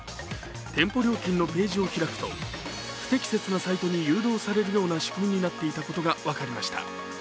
店舗料金のページを開くと不適切なサイトに誘導されるような仕組みになっていたことが分かりました。